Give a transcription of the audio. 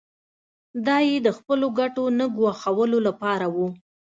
دا یې د خپلو ګټو نه ګواښلو لپاره و.